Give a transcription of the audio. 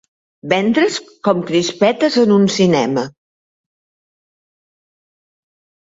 Vendre's com crispetes en un cinema.